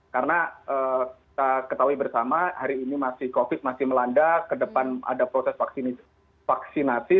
karena kita ketahui bersama hari ini covid masih melanda ke depan ada proses vaksinasi